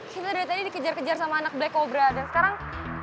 kita dari tadi dikejar kejar sama anak black kobra dan sekarang